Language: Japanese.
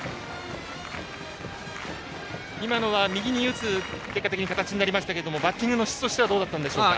今のは右に打つ形になりましたがバッティングの質としてはどうでしたでしょうか。